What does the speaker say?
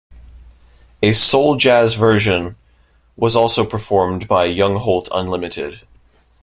A soul-jazz version was also performed by Young-Holt Unlimited.